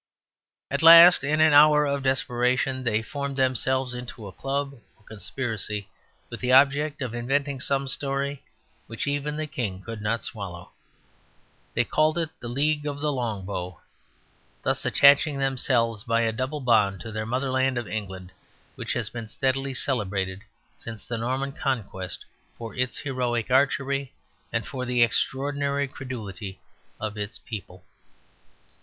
At last, in an hour of desperation, they formed themselves into a club or conspiracy with the object of inventing some story which even the king could not swallow. They called it The League of the Long Bow; thus attaching themselves by a double bond to their motherland of England, which has been steadily celebrated since the Norman Conquest for its heroic archery and for the extraordinary credulity of its people.